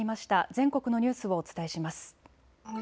全国のニュースをお伝えします。